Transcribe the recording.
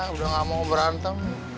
udah gak mau berantem